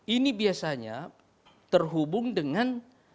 ini biasanya terhubung dengan